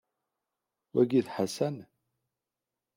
Wagi d Ḥasan?